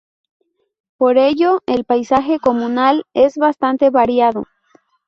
Por ello, el paisaje comunal es bastante variado.